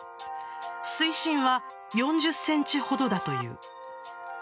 水深は４０ｃｍほどだという。